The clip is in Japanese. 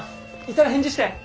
いたら返事して！